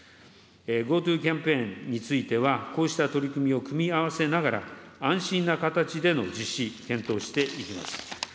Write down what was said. ＧｏＴｏキャンペーンについては、こうした取り組みを組み合わせながら、安心な形での実施を検討していきます。